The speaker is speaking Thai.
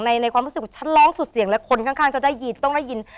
ในความรู้สึกว่าฉันร้องสุดเสียงแล้วคนข้างจะได้ยิน